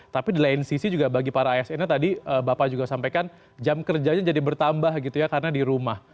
tapi di lain sisi juga bagi para asn nya tadi bapak juga sampaikan jam kerjanya jadi bertambah gitu ya karena di rumah